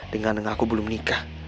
dengar dengar aku belum nikah